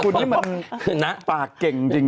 คุณนี่มันปากเก่งจริง